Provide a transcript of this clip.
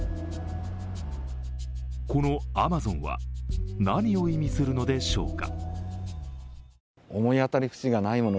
この「ＡＭＡＺＯＮ」は何を意味するのでしょうか。